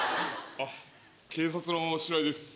あっ警察の白井です。